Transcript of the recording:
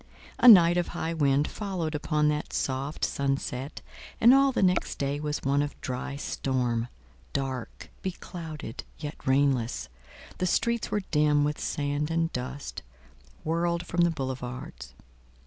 A night of high wind followed upon that soft sunset, and all the next day was one of dry storm—dark, beclouded, yet rainless,—the streets were dim with sand and dust, whirled from the boulevards.